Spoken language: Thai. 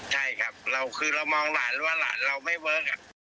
ใช่ครับคือเรามองหลานว่าหลานเราไม่เวิร์ค